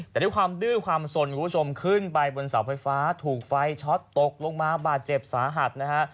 แต่ด้วยความดื้อความสนคุณผู้ชมขึ้นไปบนเสาไฟฟ้าถูกไฟช็อตตกลงมาบาดเจ็บสาหัสนะฮะ